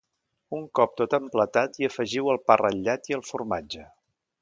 Un cop tot emplatat hi afegiu el pa ratllat i el formatge.